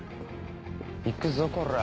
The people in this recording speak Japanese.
行くぞこら。